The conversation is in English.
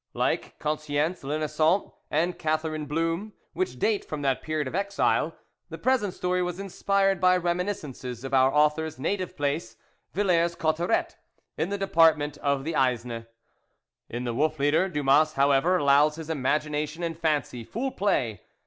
Like Conscience V Innocent and Catherine Blum, which date from that period of exile, the present story was inspired by reminiscences of our author's native place Villers Cotterets, in the department of the Aisne. In The Wolf Leader Dumas, however, allows his imagination and fancy full play.